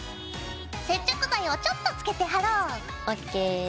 接着剤をちょっと付けて貼ろう。ＯＫ。